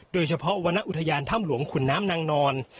โดยเฉพาะวรรณอุทยานถ้ำหลวงขุนน้ำนางนอน